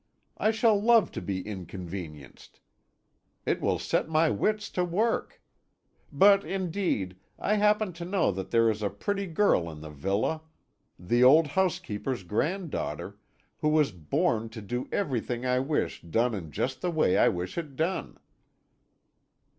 I shall love to be inconvenienced; it will set my wits to work. But indeed I happen to know that there is a pretty girl in the villa, the old housekeeper's granddaughter, who was born to do everything I wish done in just the way I wish it done."